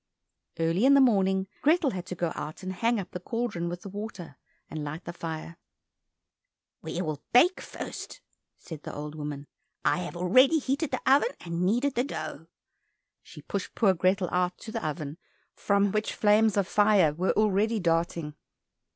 Early in the morning, Grethel had to go out and hang up the cauldron with the water, and light the fire. "We will bake first," said the old woman, "I have already heated the oven, and kneaded the dough." She pushed poor Grethel out to the oven, from which flames of fire were already darting.